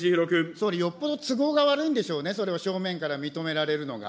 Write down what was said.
総理、よっぽど都合が悪いんでしょうね、それを正面から認められるのが。